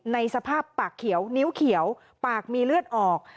ในสภาพปากเขียวนิ้วเขียวปากมีเลือดออก